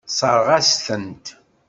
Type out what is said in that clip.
Tessṛeɣ-as-tent.